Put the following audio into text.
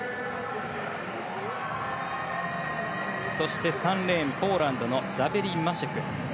そして、３レーンポーランドのザベリ・マシュク。